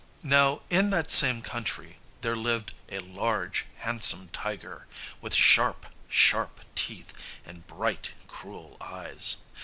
Now in that same country there lived a large handsome tiger, with sharp, sharp teeth and bright, cruel eyes.